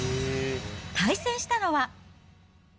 対戦したのは。